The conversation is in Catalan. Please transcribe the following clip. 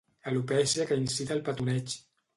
Alopècia que incita al petoneig.